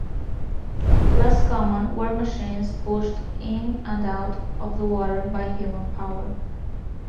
Less common were machines pushed in and out of the water by human power.